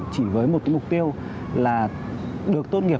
chỉ với một mục tiêu là được tốt nghiệp